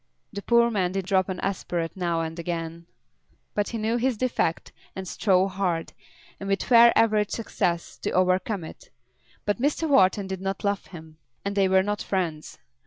The poor man did drop an aspirate now and again; but he knew his defect and strove hard, and with fair average success, to overcome it. But Mr. Wharton did not love him, and they were not friends.